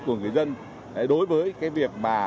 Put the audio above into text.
của người dân đối với cái việc